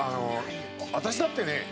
私だってね